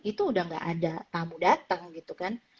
itu udah gak ada tamu datang gitu kan